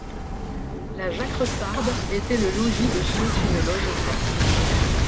La Jacressarde était le logis de ceux qui ne logent pas.